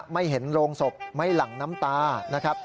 ไม่เห็นโรงศพไม่หลั่งน้ำตานะครับ